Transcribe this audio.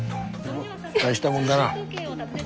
大したもんだな。